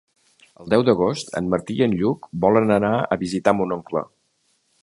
El deu d'agost en Martí i en Lluc volen anar a visitar mon oncle.